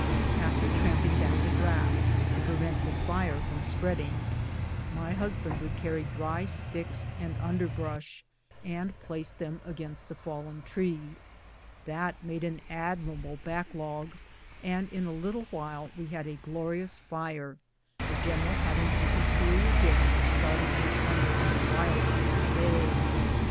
After tramping down the grass, to prevent the fire from spreading, my husband would carry dry sticks and underbrush, and place them against a fallen tree. That made an admirable back log, and in a little while we had a glorious fire, the general having a peculiar gift of starting a flame on the wildest day.